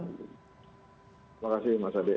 terima kasih mas andri